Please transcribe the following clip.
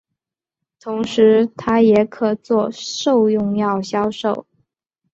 同时它也可作兽用药销售。